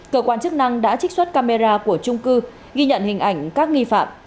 cơ quan chức năng đã trích xuất camera của trung cư ghi nhận hình ảnh các nghi phạm